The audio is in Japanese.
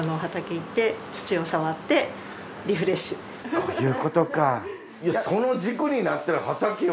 そういうことか。